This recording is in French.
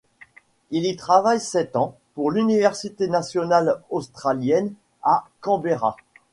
Il y travaille sept ans pour l'Université nationale australienne, à Canberra.